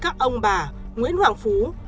các ông bà nguyễn hoàng phú